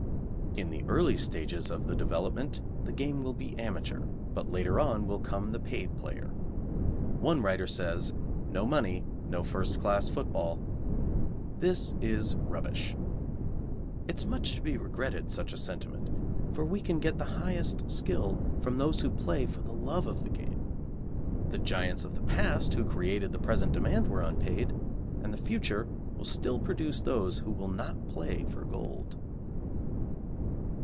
In the early stages of the development the game will be amateur, but later on will come the paid player. One writer says, "No money, no first class football." This is rubbish; it is much to be regretted, such a sentiment, for we can get the highest skill from those who play for the love of the game. The giants of the past who created the present demand were unpaid, and the future will still produce those who will not play for gold.